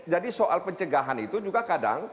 jadi soal pencegahan itu juga kadang